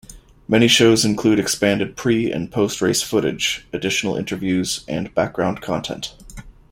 Many shows include expanded pre- and post-race footage, additional interviews, and background content.